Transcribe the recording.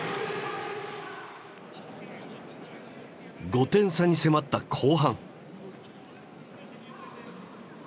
５点差に迫った後半。